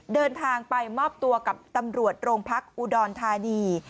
เดินทางไปมอบตัวกับตำรวจโรงพักอุดรธานี